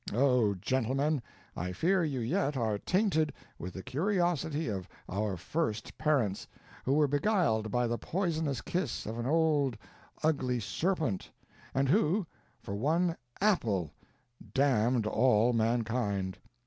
Oh, gentlemen, I fear you yet are tainted with the curiosity of our first parents, who were beguiled by the poisonous kiss of an old ugly serpent, and who, for one apple, damned all mankind.